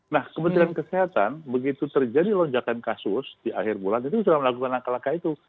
nah kementerian kesehatan begitu terjadi lonjakan kasus di akhir bulan itu sudah melakukan langkah langkah itu